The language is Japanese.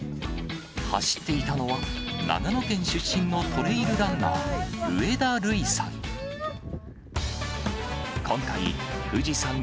走っていたのは、長野県出身のトレイルランナー、上田瑠偉さん。